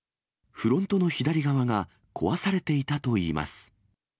フロントの左側が壊されていたといいます。